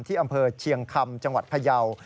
อำเภอเชียงคำจังหวัดพยาว